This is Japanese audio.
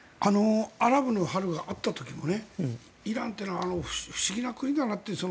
アラブの春があった時もイランっていうのは不思議な国だなって。